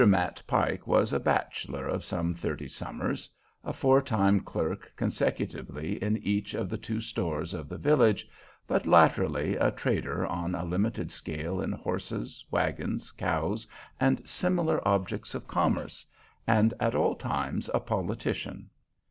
Matt Pike was a bachelor of some thirty summers, a foretime clerk consecutively in each of the two stores of the village, but latterly a trader on a limited scale in horses, wagons, cows, and similar objects of commerce, and at all times a politician.